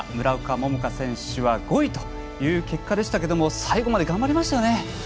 村岡桃佳選手は５位という結果でしたが最後まで頑張りましたね。